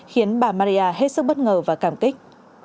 khiến bà maria hết sức bất ngờ và cảm kích